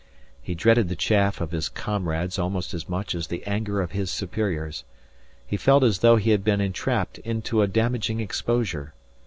He dreaded the chaff of his comrades almost as much as the anger of his superiors. He felt as though he had been entrapped into a damaging exposure.